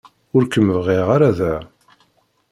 Ur kem-bɣin ara da.